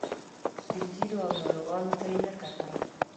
سپین ږیرو او ناروغانو ته یې نه کتل.